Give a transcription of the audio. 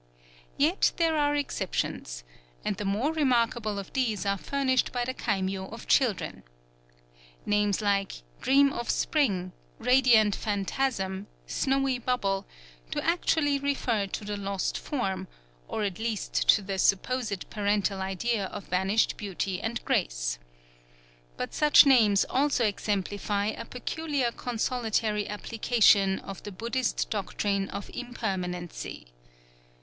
Yet there are exceptions; and the more remarkable of these are furnished by the kaimyō of children. Names like "Dream of Spring," "Radiant Phantasm," "Snowy Bubble," do actually refer to the lost form, or at least to the supposed parental idea of vanished beauty and grace. But such names also exemplify a peculiar consolatory application of the Buddhist doctrine of Impermanency.